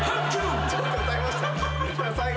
ちょっと歌いましたよ。